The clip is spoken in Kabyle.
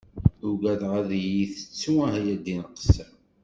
Ugadeɣ ad yi-tettu, ah ya ddin qessam!